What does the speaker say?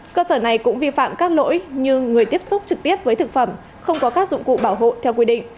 cơ sở này cũng vi phạm các lỗi như người tiếp xúc trực tiếp với thực phẩm không có các dụng cụ bảo hộ theo quy định